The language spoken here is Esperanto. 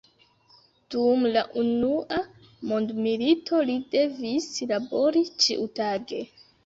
Dum la unua mondmilito li devis labori ĉiutage.